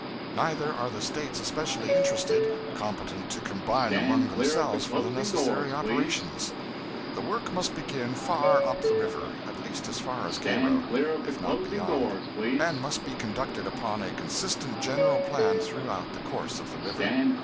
Neither are the States especially interested competent to combine among themselves for the necessary operations. The work must begin far up the river; at least as far as Cairo, if not beyond; and must be conducted upon a consistent general plan throughout the course of the river.